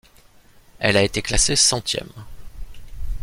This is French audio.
Elle a été classé centième.